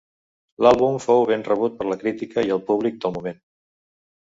L'àlbum fou ben rebut per la crítica i el públic del moment.